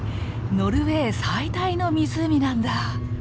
ノルウェー最大の湖なんだ！